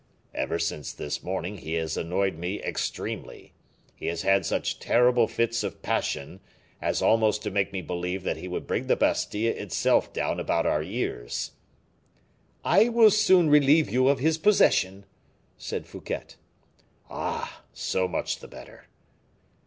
"Ever since this morning he has annoyed me extremely. He has had such terrible fits of passion, as almost to make me believe that he would bring the Bastile itself down about our ears." "I will soon relieve you of his possession," said Fouquet. "Ah! so much the better."